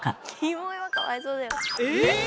えっ！